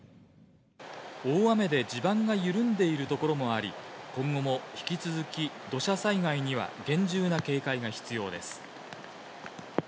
大雨で地盤が緩んでいる所もあり、今後も引き続き、土砂災害には厳重な警戒が必要です。